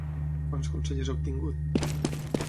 Quants consellers ha obtingut?